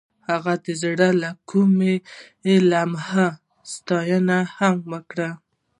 هغې د زړه له کومې د لمحه ستاینه هم وکړه.